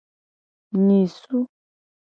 Nyisu.